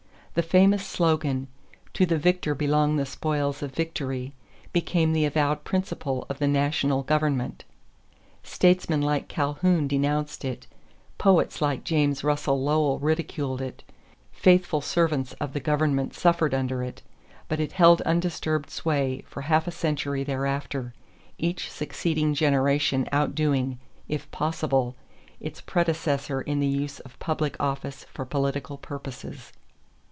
The famous slogan, "to the victor belong the spoils of victory," became the avowed principle of the national government. Statesmen like Calhoun denounced it; poets like James Russell Lowell ridiculed it; faithful servants of the government suffered under it; but it held undisturbed sway for half a century thereafter, each succeeding generation outdoing, if possible, its predecessor in the use of public office for political purposes.